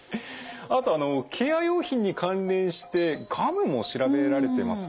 あとあのケア用品に関連して「ガム」も調べられてますね。